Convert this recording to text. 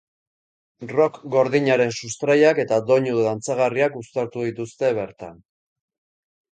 Rock gordinaren sustraiak eta doinu dantzagarriak uztartu dituzte bertan.